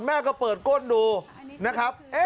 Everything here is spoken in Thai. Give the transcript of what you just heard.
แม่ก็เปิดก้นดูนะครับ